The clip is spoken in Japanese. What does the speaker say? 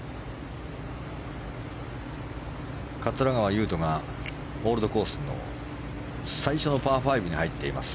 桂川有人がオールドコースの最初のパー５に入っています。